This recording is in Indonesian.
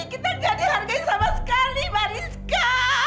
kita nggak dihargai sama sekali mariska